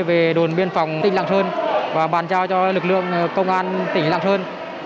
về đồn biên phòng tỉnh lạng sơn và bàn giao cho lực lượng công an tỉnh lạng sơn